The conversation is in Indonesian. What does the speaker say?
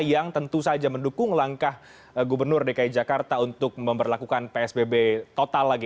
yang tentu saja mendukung langkah gubernur dki jakarta untuk memperlakukan psbb total lagi